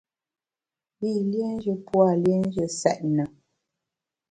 Yî liénjù pua liénjù nsètne.